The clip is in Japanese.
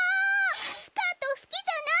スカートすきじゃないの！